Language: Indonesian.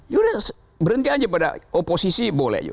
ya udah berhenti aja pada oposisi boleh